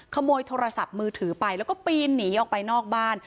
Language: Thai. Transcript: ขโมยโทรศัพท์มือถือไปแล้วก็ปีนหนีออกไปนอกบ้าน